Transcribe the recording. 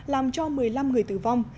làm cho một mươi năm người tử vong